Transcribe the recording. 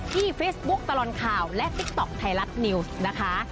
เฟซบุ๊กตลอดข่าวและติ๊กต๊อกไทยรัฐนิวส์นะคะ